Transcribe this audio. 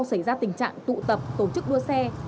xảy ra tình trạng tụ tập tổ chức đua xe